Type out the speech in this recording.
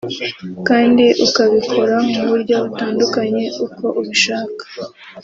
kandi ukabikora mu buryo butandukanye uko ubishaka